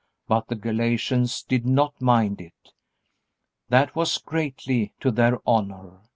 But the Galatians did not mind it. That was greatly to their honor.